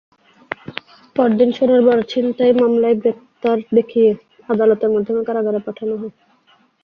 পরদিন সোনার বার ছিনতাই মামলায় গ্রেপ্তার দেখিয়ে আদালতের মাধ্যমে কারাগারে পাঠানো হয়।